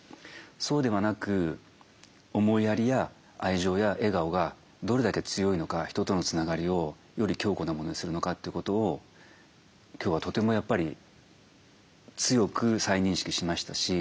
そうではなく思いやりや愛情や笑顔がどれだけ強いのか人とのつながりをより強固なものにするのかということを今日はとてもやっぱり強く再認識しましたし。